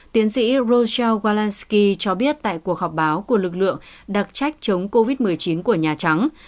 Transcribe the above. tiến sĩ roseelwansky cho biết tại cuộc họp báo của lực lượng đặc trách chống covid một mươi chín của nhà trắng